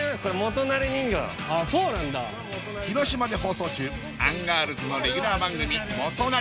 広島で放送中アンガールズのレギュラー番組「元就。」